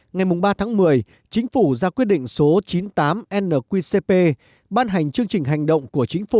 ngày ba tháng một mươi chính phủ ra quyết định số chín mươi tám nqcp ban hành chương trình hành động của chính phủ